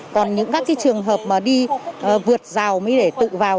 còn những các trường hợp mà đi vượt rào mới để tự vào